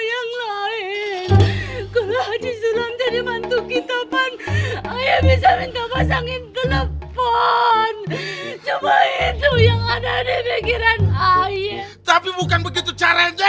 aduh aduh aduh